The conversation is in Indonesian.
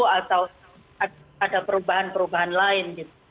atau ada perubahan perubahan lain